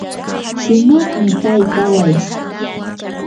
shumaqmi kay kaway.